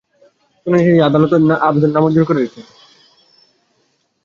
শুনানি শেষে আদালত আবেদন নামঞ্জুর করে তাঁদের কারাগারে পাঠানোর আদেশ দেন।